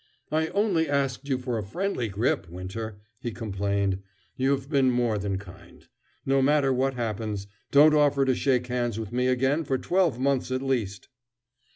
"I only asked you for a friendly grip, Winter," he complained. "You have been more than kind. No matter what happens, don't offer to shake hands with me again for twelve months at least."